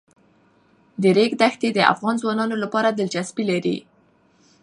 د ریګ دښتې د افغان ځوانانو لپاره دلچسپي لري.